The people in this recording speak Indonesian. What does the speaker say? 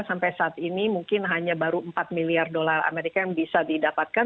sampai saat ini mungkin hanya baru empat miliar dolar amerika yang bisa didapatkan